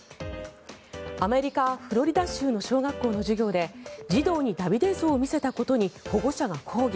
アメリカ・フロリダ州の小学校の授業で児童にダビデ像を見せたことに保護者が抗議。